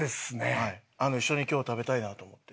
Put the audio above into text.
一緒に今日食べたいなと思って。